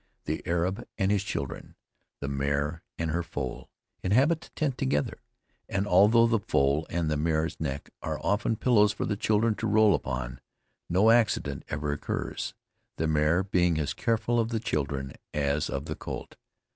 The Arab and his children, the mare and her foal, inhabit the tent together; and although the foal and the mare's neck are often pillows for the children to roll upon, no accident ever occurs, the mare being as careful of the children as of the colt.